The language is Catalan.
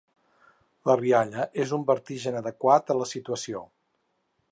La rialla és un vertigen adequat a la situació.